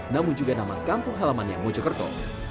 namun juga nama kampung halamannya mojokerto